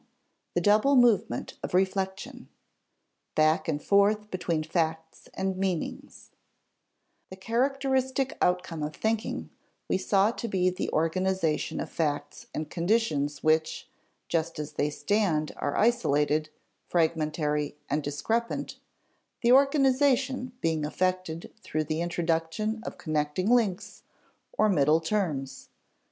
The Double Movement of Reflection [Sidenote: Back and forth between facts and meanings] The characteristic outcome of thinking we saw to be the organization of facts and conditions which, just as they stand, are isolated, fragmentary, and discrepant, the organization being effected through the introduction of connecting links, or middle terms.